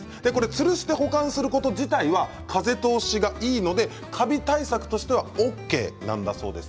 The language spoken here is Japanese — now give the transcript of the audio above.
つるして保管すること自体は風通しがいいのでカビ対策としてはＯＫなんだそうです。